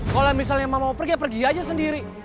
kalau misalnya mau pergi pergi aja sendiri